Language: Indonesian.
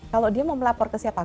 kalau dia mau melapor ke siapa